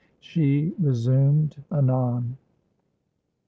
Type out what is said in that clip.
She resumed anon. II.